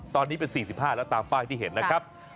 ตอนนี้เป็น๔๕แล้วตามป้ายที่เห็นนะครับ